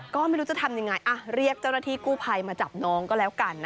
ก็ไม่รู้จะทำยังไงเรียกเจ้าหน้าที่กู้ภัยมาจับน้องก็แล้วกัน